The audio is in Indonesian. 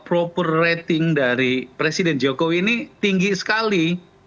rating yang tepat dari presiden jokowi ini tinggi sekali